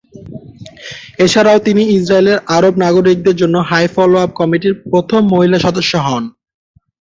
এছাড়াও তিনি ইসরায়েলের আরব নাগরিকদের জন্য হাই ফলো-আপ কমিটির প্রথম মহিলা সদস্য হন।